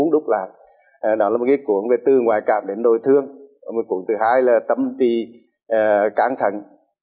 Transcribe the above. đó là một cuốn về từ ngoại cảm đến nội thương và một cuốn thứ hai là tâm tỳ cán thần